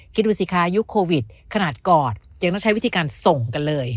คิดดูสิคะยุคโควิดขนาดกอดยังต้องใช้วิธีการส่งกันเลย